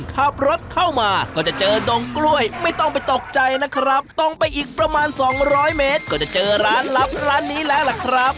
ขับรถเข้ามาก็จะเจอดงกล้วยไม่ต้องไปตกใจนะครับตรงไปอีกประมาณสองร้อยเมตรก็จะเจอร้านลับร้านนี้แล้วล่ะครับ